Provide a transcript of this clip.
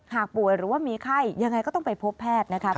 ป่วยหรือว่ามีไข้ยังไงก็ต้องไปพบแพทย์นะครับ